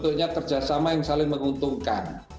tentunya kerjasama yang saling menguntungkan